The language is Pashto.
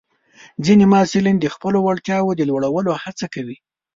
ځینې محصلین د خپلو وړتیاوو د لوړولو هڅه کوي.